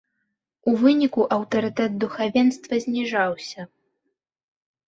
У выніку аўтарытэт духавенства зніжаўся.